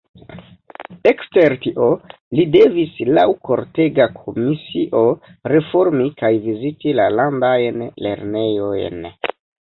Ekster tio li devis laŭ kortega komisio reformi kaj viziti la landajn lernejojn.